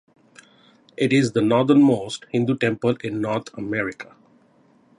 It is the northernmost Hindu temple in North America.